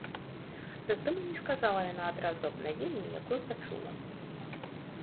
Затым і не сказала яна адразу аб навіне, якую пачула.